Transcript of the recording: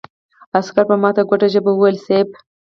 عسکر په ماته ګوډه ژبه وويل: صېب!